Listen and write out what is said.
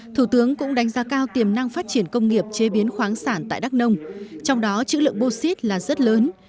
thủ tướng cũng đánh giá cao tiềm năng phát triển công nghiệp chế biến khoáng sản tại đắk nông trong đó chữ lượng bô xít là rất lớn